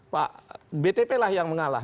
pak btp lah yang mengalah